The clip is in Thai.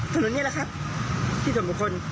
อืมพื้นที่ส่วนบุคคลเหรอ